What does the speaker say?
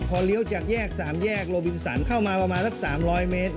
พอเลี้ยวจากแยก๓แยกโลบินสันเข้ามาประมาณสัก๓๐๐เมตร